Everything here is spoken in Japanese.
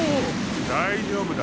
大丈夫だ。